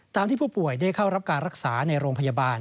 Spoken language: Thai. ที่ผู้ป่วยได้เข้ารับการรักษาในโรงพยาบาล